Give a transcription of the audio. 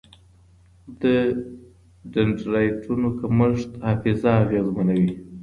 د ډنډرایټونو کمښت حافظه اغېزمنوي.